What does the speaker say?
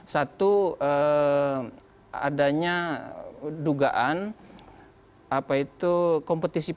satu adanya dugaan kompetisi peran antara tokoh tokoh besar di dalam koalisi secara personal